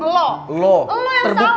lo yang salah